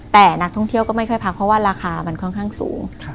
แต่นักท่องเที่ยวก็ไม่ค่อยพักเพราะว่าราคามันค่อนข้างสูง